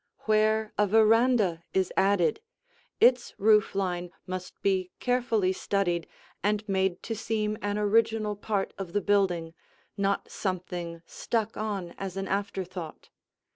Where a veranda is added, its roof line must be carefully studied and made to seem an original part of the building, not something stuck on as an afterthought.